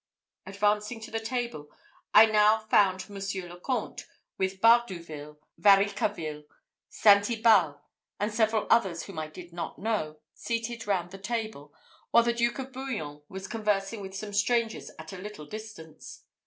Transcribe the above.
Advancing to the table, I now found Monsieur le Comte, with Bardouville, Varicarville, St. Ibal, and several others whom I did not know, seated round the table, while the Duke of Bouillon was conversing with some strangers at a little distance.